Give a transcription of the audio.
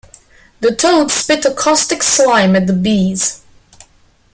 The toad spit a caustic slime at the bees.